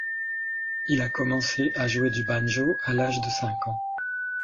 Il a commencé à jouer du banjo à l'âge de cinq ans.